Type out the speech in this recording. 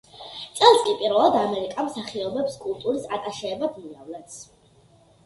წელს კი პირველად, ამერიკა მსახიობებს კულტურის ატაშეებად მიავლენს.